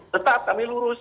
tetap kami lurus